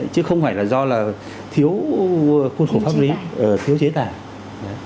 chứ không phải là do là thiếu khuôn khổ pháp lý thiếu chế tài